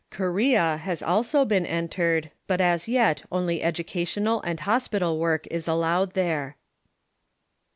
Corea has also been entered, hut as yet only educational and hospital work is allowed there.